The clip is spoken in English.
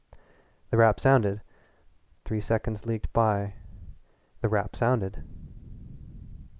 The rap sounded three seconds leaked by the rap sounded.